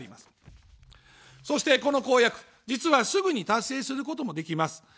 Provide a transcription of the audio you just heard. そして、この公約、実は、すぐに達成することもできます。